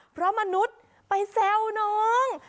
เพราะมนุษย์ไปแซวน้อง